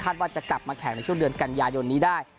ว่าจะกลับมาแข่งในช่วงเดือนกันยายนนี้ได้